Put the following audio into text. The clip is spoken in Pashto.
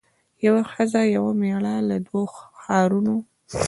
یوه ښځه یو مېړه له دوو ښارونو